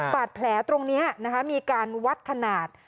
บาดแผลตรงนี้มีการวัดขนาด